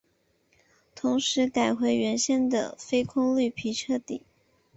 同时改回原先的非空绿皮车底。